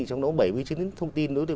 trong đó bảy mươi chín thông tin đối với